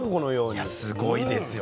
いやすごいですよ。